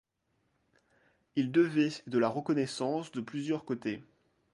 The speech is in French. Il devait de la reconnaissance de plusieurs côtés.